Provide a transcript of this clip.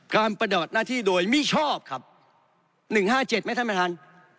การปฏิบัติหน้าที่โดยมิชอบครับหนึ่งห้าเจ็ดไหมท่านประทาน